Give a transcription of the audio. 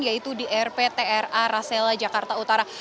yaitu di rptra rasela jakarta utara